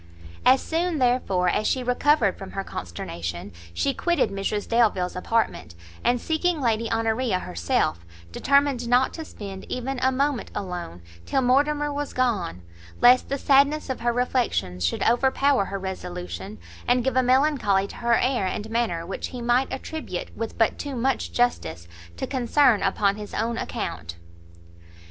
As soon, therefore, as she recovered from her consternation, she quitted Mrs Delvile's apartment, and seeking Lady Honoria herself, determined not to spend even a moment alone, till Mortimer was gone; lest the sadness of her reflections should overpower her resolution, and give a melancholy to her air and manner which he might attribute, with but too much justice, to concern upon his own account.